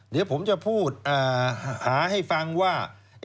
เดี๋ยวผมจะพูดหาให้ฟังว่า